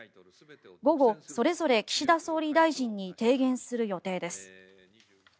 午後、それぞれ岸田総理大臣に提言する予定です。